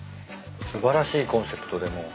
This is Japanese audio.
素晴らしいコンセプトでもう。